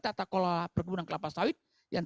tata kelola perkebunan kelapa sawit yang